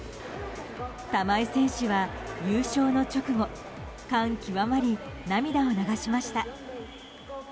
玉井選手は優勝の直後、感極まり涙を流しました。